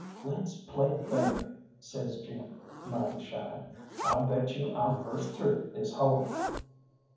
"Let's play bear," says Jim, mighty shy; "I'll bet you I'm first through this hole!"